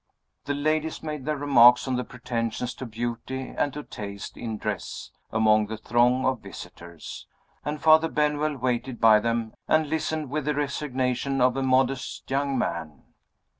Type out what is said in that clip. The ladies made their remarks on the pretensions to beauty and to taste in dress among the throng of visitors and Father Benwell waited by them, and listened with the resignation of a modest young man.